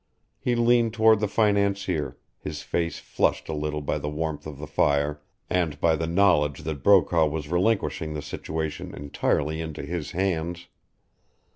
He leaned toward the financier, his face flushed a little by the warmth of the fire and by the knowledge that Brokaw was relinquishing the situation entirely into his hands.